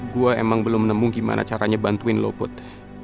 gue emang belum nemu gimana caranya bantuin lo put